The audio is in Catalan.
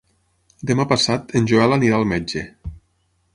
Demà passat en Joel anirà al metge.